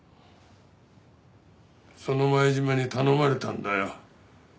その前島に頼まれたんだよ。